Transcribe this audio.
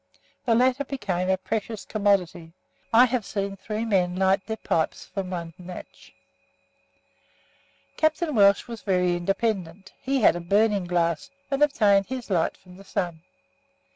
The latter became a precious commodity. I have seen three men light their pipes from one match. Captain Welch was very independent; he had a burning glass, and obtained his light from the sun.